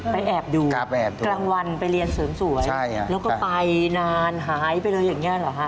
แอบดูกลางวันไปเรียนเสริมสวยแล้วก็ไปนานหายไปเลยอย่างนี้เหรอฮะ